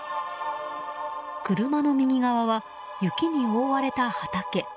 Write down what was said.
車の右側は、雪に覆われた畑。